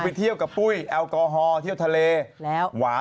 ไม่ติดเบคแล้วนะ